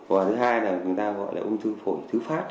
và thứ hai là người ta gọi là ung thư phổi thứ phát